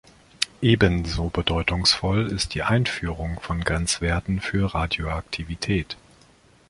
Ebenso bedeutungsvoll ist die Einführung von Grenzwerten für Radioaktivität.